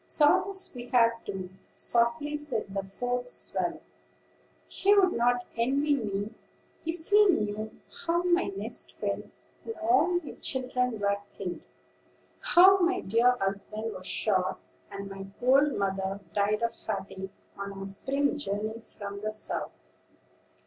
"Sorrows we have, too," softly said the fourth swallow. "He would not envy me, if he knew how my nest fell, and all my children were killed; how my dear husband was shot, and my old mother died of fatigue on our spring journey from the South."